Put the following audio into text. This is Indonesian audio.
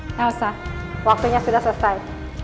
elsa waktunya sudah selesai